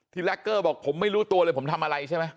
แล็กเกอร์บอกผมไม่รู้ตัวเลยผมทำอะไรใช่ไหม